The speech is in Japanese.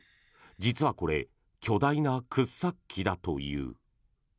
実はこれ巨大な掘削機だという。